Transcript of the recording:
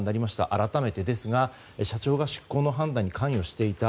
改めてですが社長が出航の判断に関与していた。